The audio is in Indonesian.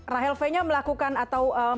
rahel fainya melakukan atau